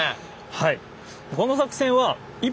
はい。